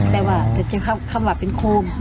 แต่ว่าคำว่าเป็นโคม